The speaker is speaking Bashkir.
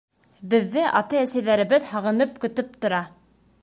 Беҙҙе атай-әсәйҙәребеҙ һағынып көтөп тора!